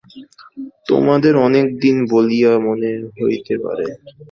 তোমাদের অনেক দিন বলিয়া মনে হইতে পারে।